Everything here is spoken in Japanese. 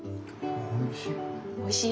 おいしい。